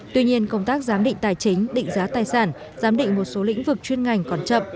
tuy nhiên công tác giám định tài chính định giá tài sản giám định một số lĩnh vực chuyên ngành còn chậm